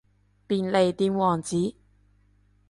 便利店王子